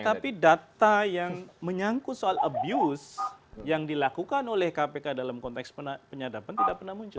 tetapi data yang menyangkut soal abuse yang dilakukan oleh kpk dalam konteks penyadapan tidak pernah muncul